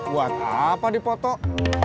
buat apa dipotok